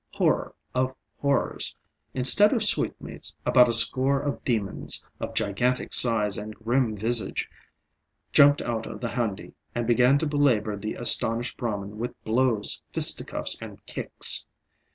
Horror of horrors! instead of sweetmeats about a score of demons, of gigantic size and grim visage, jumped out of the handi, and began to belabour the astonished Brahman with blows, fisticuffs and kicks.